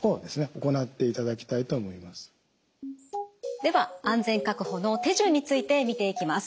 では「安全確保」の手順について見ていきます。